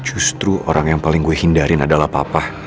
justru orang yang paling gue hindarin adalah papa